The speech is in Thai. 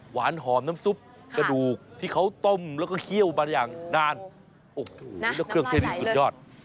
หวานหอมน้ำซุปกระดูกที่เขาต้มแล้วก็เคี่ยวมาอย่างนานโอ้โหแล้วเครื่องเทศนี้สุดยอด